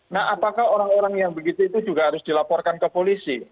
nah apakah orang orang yang begitu itu juga harus dilaporkan ke polisi